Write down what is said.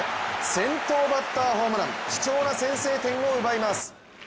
先頭バッターホームラン貴重な先制点を奪います。